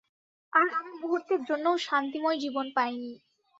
আর আমি মুহূর্তের জন্যও শান্তিময় জীবন পাইনি।